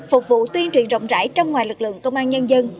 phục vụ tuyên truyền rộng rãi trong ngoài lực lượng công an nhân dân